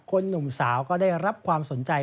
หนุ่มสาวก็ได้รับความสนใจ